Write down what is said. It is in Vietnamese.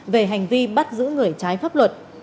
về hành vi bắt giữ người trái pháp luật